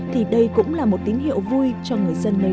thì đây cũng là một tín hiệu vui cho người dân nơi đây